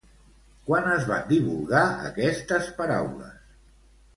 Quan es van divulgar aquestes paraules?